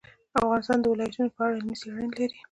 افغانستان د ولایتونو په اړه علمي څېړنې لري.